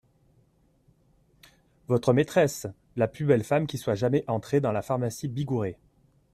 Votre maîtresse… la plus belle femme qui soit jamais entrée dans la pharmacie Bigouret.